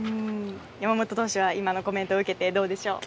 山本投手は今のコメントを受けてどうでしょう。